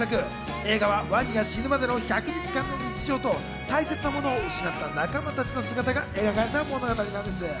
映画はワニが死ぬまでの１００日間の日常と大切なものを失った仲間たちの姿が描かれた物語なんです。